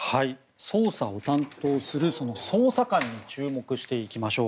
捜査を担当する捜査官に注目していきましょう。